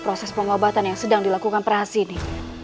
proses pemobatan yang sedang dilakukan perhasi ini